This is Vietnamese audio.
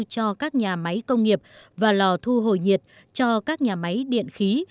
cho các nhà máy công nghiệp và lò thu hồi nhiệt cho các nhà máy điện khí